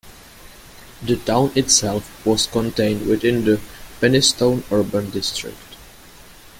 The town itself was contained within the "Penistone Urban District".